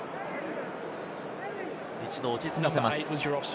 一度、落ち着かせます。